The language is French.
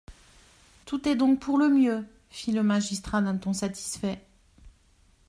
Tout est donc pour le mieux, fit le magistrat d'un ton satisfait.